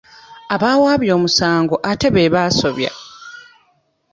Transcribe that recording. Abaawaabye omusango ate be basobya.